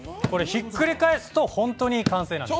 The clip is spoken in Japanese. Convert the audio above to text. ひっくり返すと本当に完成なんです。